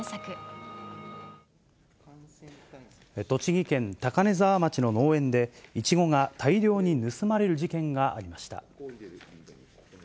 栃木県高根沢町の農園で、イチゴが大量に盗まれる事件がありました。